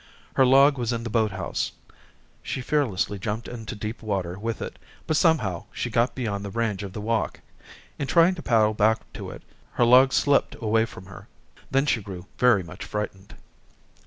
Her log was in the boat house. She fearlessly jumped into deep water with it, but somehow, she got beyond the range of the walk. In trying to paddle back to it, her log slipped away from her. Then she grew very much frightened.